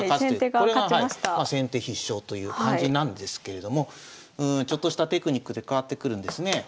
これが先手必勝という感じなんですけれどもちょっとしたテクニックで変わってくるんですね。